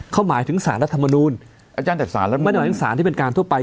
เขาหมายถึงสารรัฐมนูลไม่หมายถึงสารที่เป็นการทั่วไป